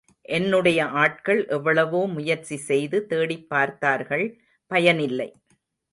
என்னுடைய ஆட்கள் எவ்வளவோ முயற்சிசெய்து தேடிப்பார்த்தார்கள் பயனில்லை.